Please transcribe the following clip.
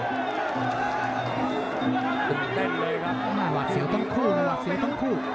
ตื่นเต้นเลยครับวาดเสียวต้องคู่วาดเสียวต้องคู่